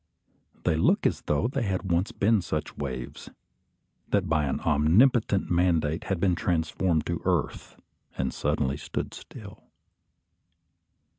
They look as though they had once been such waves, that by an omnipotent mandate had been transformed to earth and suddenly stood still.